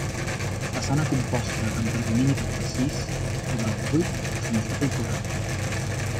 Façana composta amb predomini del massís sobre el buit, senzilla i correcta.